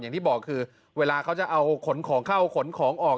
อย่างที่บอกคือเวลาเขาจะเอาขนของเข้าขนของออก